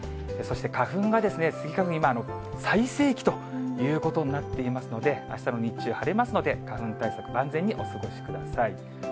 そして、花粉がですね、スギ花粉、今、最盛期ということになっていますので、あしたの日中、晴れますので、花粉対策、万全にお過ごしください。